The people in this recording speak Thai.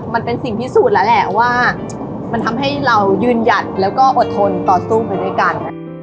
มันเป็นสิ่งพิสูจน์แล้วแหละว่ามันทำให้เรายืนหยัดแล้วก็อดทนต่อสู้ไปด้วยกัน